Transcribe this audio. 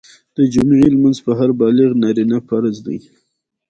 د جمعي لمونځ په هر بالغ نارينه فرض دی